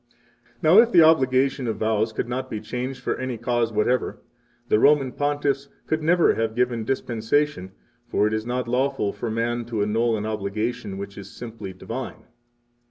24 Now, if the obligation of vows could not be changed for any cause whatever, the Roman Pontiffs could never have given dispensation for it is not lawful for man to annul an obligation which is simply 25 divine.